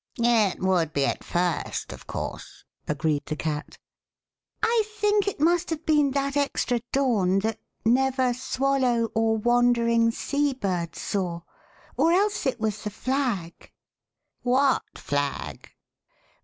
It would be at first, of course," agreed the Cat. '* I think it must have been that extra dawn that Never swallow or wandering sea bird saw or else it was the Flag." What flag